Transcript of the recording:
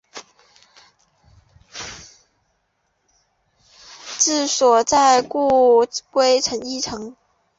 治所在故归依城。